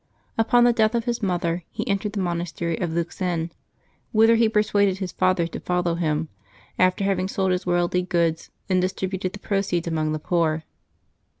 Upon the death of his mother he entered the monastery of Luxen, whither he persuaded his father to follow him, after having sold his worldly goods and dis tributed the proceeds among the poor.